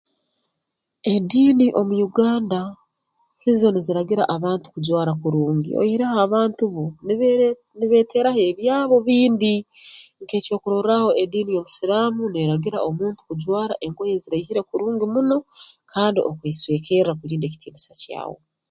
Ediini mu Uganda hizo niziragira abantu kujwara kurungi oihireho abantu bo nibeere nibeeteeraho ebyabo bindi nk'ekyokurorraaho ediini y'obusiraamu neeragira omuntu kujwara engoye eziraihire kurungi muno kandi okeswekerra kulinda ekitiinisa kyawe